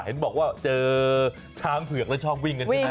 เห็นบอกว่าเจอช้างเผือกแล้วชอบวิ่งกันใช่ไหม